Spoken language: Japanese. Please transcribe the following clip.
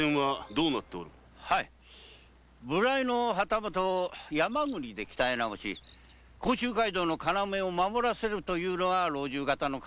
無頼の旗本を山国で鍛え直し甲州街道の要を守らせるというのが老中方の考えで。